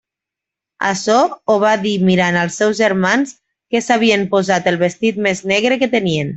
Açò ho va dir mirant els seus germans que s'havien posat el vestit més negre que tenien.